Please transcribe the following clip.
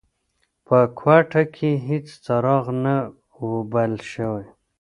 په کوټه کې هیڅ څراغ نه و بل شوی.